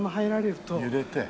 揺れて。